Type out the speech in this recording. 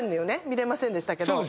見れませんでしたけど。